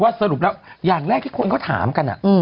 สรุปแล้วอย่างแรกที่คนเขาถามกัน